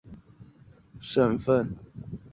那不勒斯省是意大利人口最密集的省份。